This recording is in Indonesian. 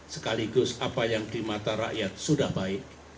sekaligus apa yang di mata rakyat sudah baik